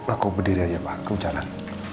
aku berdiri aja kamu jalan